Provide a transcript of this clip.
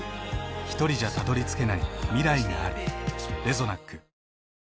ひとりじゃたどりつけない未来がある。